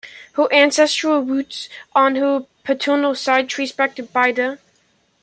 Her ancestral roots on her paternal side trace back to Bida.